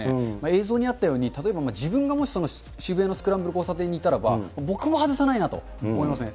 映像にあったように、例えば自分がもし渋谷のスクランブル交差点にいたらば、僕も外さないなと思いますね。